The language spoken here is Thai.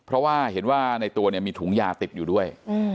เพราะว่าเห็นว่าในตัวเนี่ยมีถุงยาติดอยู่ด้วย